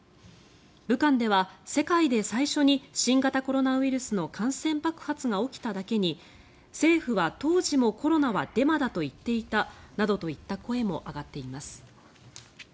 武漢では世界で最初に新型コロナウイルスの感染爆発が起きただけに政府は当時もコロナはデマだと言っていたなどといった声も上がっています。